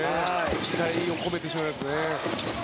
期待を込めてしまいますね。